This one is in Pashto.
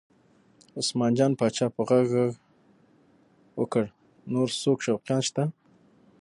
عثمان جان پاچا په غږ غږ وکړ نور څوک شوقیان شته؟